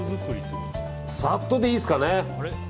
さっとでいいですかね。